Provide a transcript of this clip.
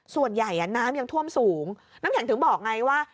ส่วนใหญ่น้ำยังท่วมสูงน้ำแข็งถึงบอกไงว่า